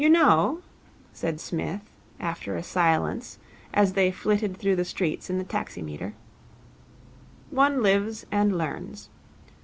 'You know,' said Psmith, after a silence, as they flitted through the streets in the taximeter, 'one lives and learns.